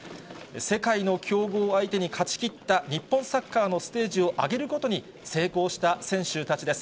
世界の強豪相手に勝ちきった日本サッカーのステージを上げることに成功した選手たちです。